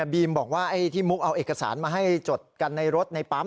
บอกว่าไอ้ที่มุกเอาเอกสารมาให้จดกันในรถในปั๊ม